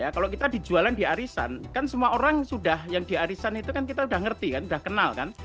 kalau kita dijualan di arisan kan semua orang sudah yang di arisan itu kan kita udah ngerti kan sudah kenal kan